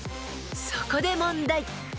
［そこで問題］